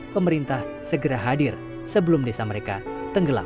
pemerintah segera hadir sebelum desa mereka tenggelam